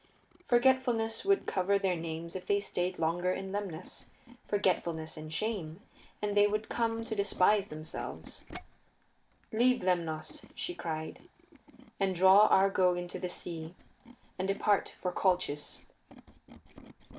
Forgetfulness would cover their names if they stayed longer in Lemnos forgetfulness and shame, and they would come to despise themselves. Leave Lemnos, she cried, and draw Argo into the sea, and depart for Colchis.